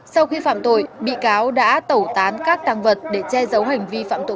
sau khi phạm tội bị cáo đã tẩu tán các tăng vật để che giấu hành vi phạm tội